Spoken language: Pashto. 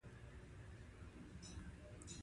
څوک چې صادق مینه لري، تل عزت لري.